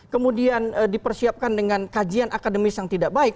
kemudian dipersiapkan dengan kajian akademis yang tidak baik